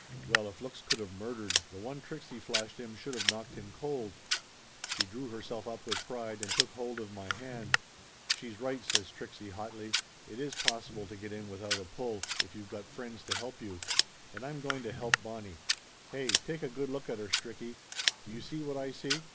Well, if looks could of murdered, the one Trixie flashed him should of knocked him cold. She drew herself up with pride, and took hold of my hand. "She's right," says Trixie hotly. "It is possible to get in without a pull if you've got friends to help you. And I'm going to help Bonnie. Hey, take a good look at her, Stricky. Do you see what I see